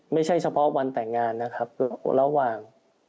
ไม่ใช่เฉพาะวันแต่งงานนะครับระหว่าง